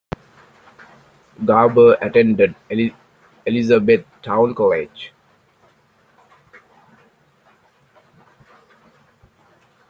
Garber attended Elizabethtown College.